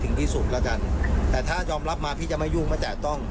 ถึงที่สุดแล้วกันแต่ถ้ายอมรับมาพี่จะไม่ยุ่งไม่แตะต้อง